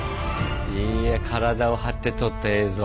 いや体を張って撮った映像。